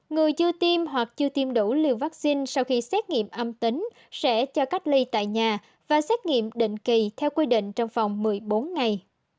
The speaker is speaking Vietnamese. người chưa tiêm hoặc chưa tiêm đủ liều vaccine sau khi xét nghiệm âm tính sẽ cho cách ly tại nhà và xét nghiệm định kỳ theo quy định trong vòng một mươi bốn ngày